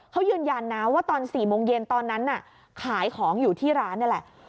เขายืนยันนะว่าตอน๔โมงเย็นตอนนั้นน่ะขายของอยู่ที่ร้านนี่แหละ